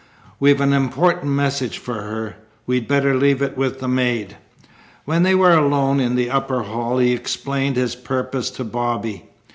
"We've an important message for her. We'd better leave it with the maid." When they were alone in the upper hall he explained his purpose to Bobby.